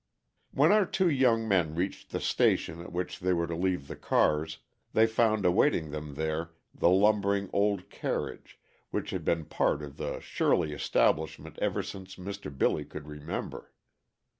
_ When our two young men reached the station at which they were to leave the cars, they found awaiting them there the lumbering old carriage which had been a part of the Shirley establishment ever since Mr. Billy could remember.